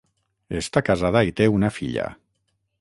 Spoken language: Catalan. Està casada i té una filla.